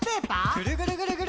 ぐるぐるぐるぐる。